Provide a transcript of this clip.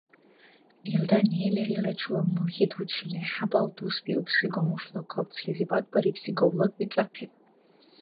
Илдани, лерилра чула мургьи дучили, хӀябал дус биубси гамушла кабцлизибад барибси гавлаг бицӀахъиб.